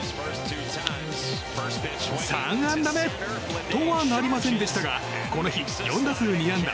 ３安打目とはなりませんでしたがこの日、４打数２安打。